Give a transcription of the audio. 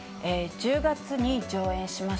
１０月に上演します。